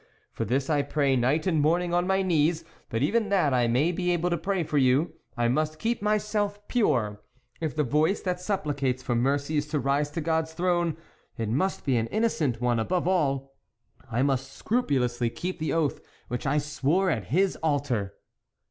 For this I pray night and morning on my knees ; but even that I may be able to pray for you, I must keep myself pure ; if the voice that supplicates for mercy is to rise to God's throne, it must be an innocent one ; above all, I must scrupulously keep the oath which I swore at His altar."